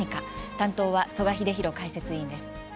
担当は曽我英弘解説委員です。